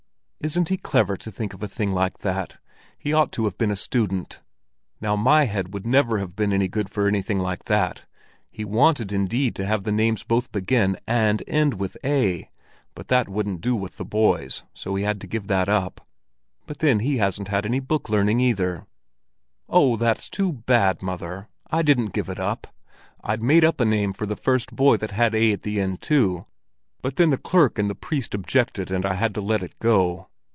"Isn't he clever to think of a thing like that? He ought to have been a student. Now my head would never have been any good for anything of that sort. He wanted, indeed, to have the names both begin and end with A, but that wouldn't do with the boys, so he had to give that up. But then he hasn't had any book learning either." "Oh, that's too bad, mother! I didn't give it up. I'd made up a name for the first boy that had A at the end too; but then the priest and the clerk objected, and I had to let it go.